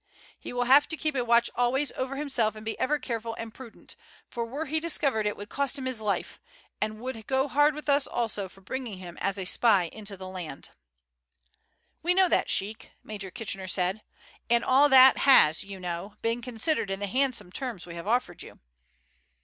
He will have to keep a watch always over himself and be ever careful and prudent, for were he discovered it would cost him his life, and would go hard with us also for bringing him as a spy into the land." "We know that, sheik," Major Kitchener said; "and all that has, you know, been considered in the handsome terms we have offered you."